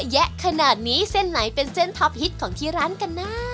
แยะขนาดนี้เส้นไหนเป็นเส้นท็อปฮิตของที่ร้านกันนะ